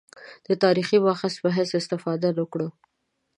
د تاریخي مأخذ په حیث استفاده نه کړو.